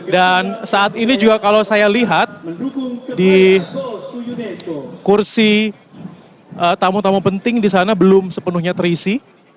dan saat ini juga kalau saya lihat di kursi tamu tamu penting di sana belum sepenuhnya terisi